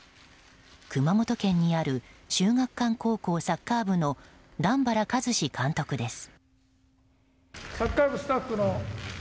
熊本県にある秀岳館高校サッカー部の段原一詞監督です。